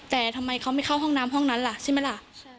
แต่ทำไมเขาไม่เข้าห้องน้ำห้องนั้นล่ะใช่ไหมล่ะ